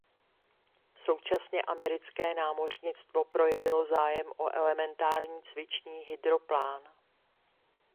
Současně americké námořnictvo projevilo zájem o elementární cvičný hydroplán.